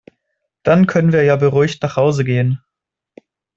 Dann können wir ja beruhigt nach Hause gehen.